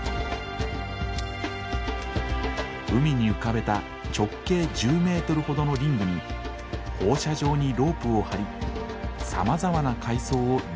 海に浮かべた直径１０メートルほどのリングに放射状にロープを張りさまざまな海藻を根づかせる。